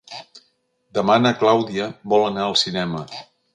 Demà na Clàudia vol anar al cinema.